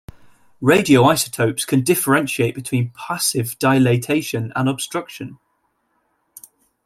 Radioisotopes can differentiate between passive dilatation and obstruction.